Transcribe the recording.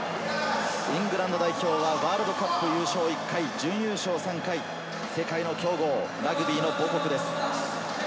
イングランド代表はワールドカップ優勝１回、準優勝３回、世界の強豪、ラグビーの母国です。